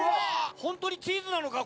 本当にチーズなのか？